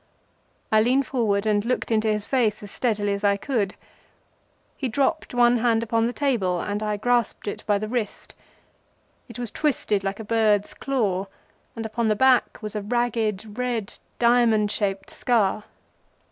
I leaned forward and looked into his face as steadily as I could. He dropped one hand upon the table and I grasped it by the wrist. It was twisted like a bird's claw, and upon the back was a ragged, red, diamond shaped scar.